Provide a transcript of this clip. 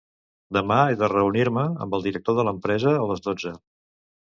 Demà he de reunir-me amb el director de l'empresa a les dotze?